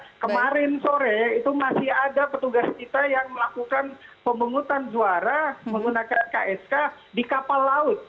dan ini yang dilakukan bahkan kemarin sore itu masih ada petugas kita yang melakukan pemungutan suara menggunakan ksk di kapal laut